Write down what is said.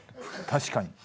確かに。